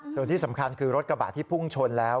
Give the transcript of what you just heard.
ส่วนที่สำคัญคือรถกระบะที่พุ่งชนแล้ว